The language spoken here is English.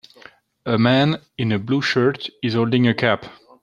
A man in as blue shirt is holding a cup.